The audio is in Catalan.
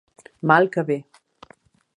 Mal que bé.